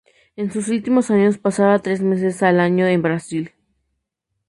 En sus últimos años pasaba tres meses al año en Brasil.